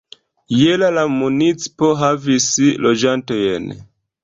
Je la la municipo havis loĝantojn.